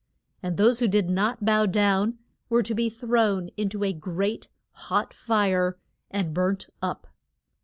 And those who did not bow down were to be thrown in to a great hot fire and burnt up.